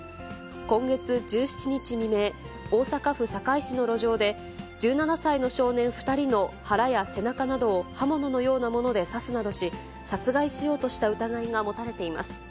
今月１７日未明、大阪府堺市の路上で、１７歳の少年２人の腹や背中などを刃物のようなもので刺すなどし、殺害しようとした疑いが持たれています。